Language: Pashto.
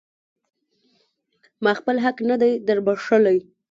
ما خپل حق نه دی در بښلی.